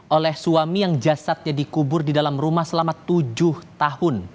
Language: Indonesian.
oleh suami yang jasadnya dikubur di dalam rumah selama tujuh tahun